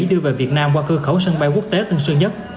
đưa về việt nam qua cửa khẩu sân bay quốc tế tân sư nhất